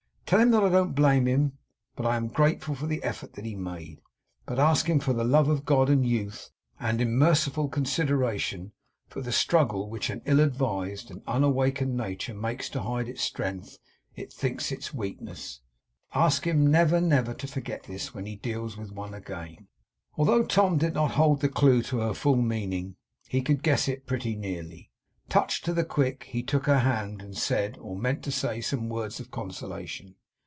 Tell him that I don't blame him, but am grateful for the effort that he made; but ask him for the love of God, and youth, and in merciful consideration for the struggle which an ill advised and unwakened nature makes to hide the strength it thinks its weakness ask him never, never, to forget this, when he deals with one again!' Although Tom did not hold the clue to her full meaning, he could guess it pretty nearly. Touched to the quick, he took her hand and said, or meant to say, some words of consolation.